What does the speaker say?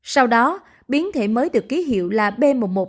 sau đó biến thể mới được ký hiệu là b một một năm trăm hai mươi chín